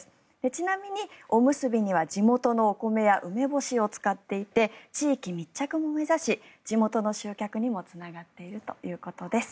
ちなみにおむすびには地元のお米や梅干しを使っていて地域密着も目指し地元の集客にもつながっているということです。